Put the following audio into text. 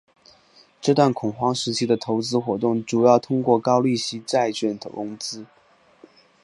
这段恐慌时期的投资活动主要通过高利息债券融资。